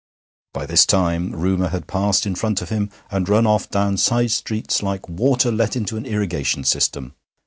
By this time rumour had passed in front of him and run off down side streets like water let into an irrigation system.